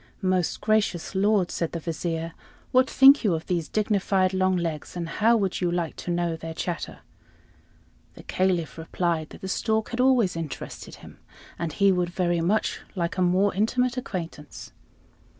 "Most gracious lord," said the Vizier, "what think you of these dignified long legs, and how would you like to know their chatter?" The Caliph replied that the stork had always interested him, and he would very much like a more intimate acquaintance.